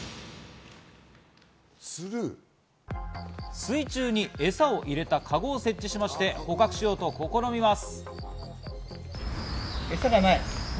水中にえさを入れたかごを設置しまして、捕獲しようと試みます。